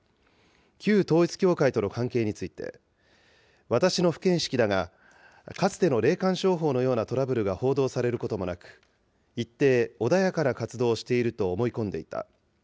旧統一教会との関係について、私の不見識だが、かつての霊感商法のようなトラブルが報道されることもなく、一定、穏やかな活動をしていると思い込んでいた。